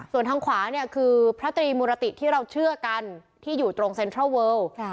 ส่วนทางขวาเนี่ยคือพระตรีมุรติที่เราเชื่อกันที่อยู่ตรงเซ็นทรัลเวิล